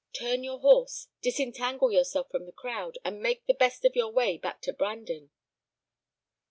Turn your horse, disentangle yourself from the crowd, and make the best of your way back to Brandon."